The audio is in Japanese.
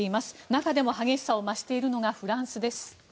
中でも激しさを増しているのがフランスです。